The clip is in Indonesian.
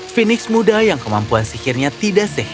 fenix muda yang kemampuan sihirnya tidak sehat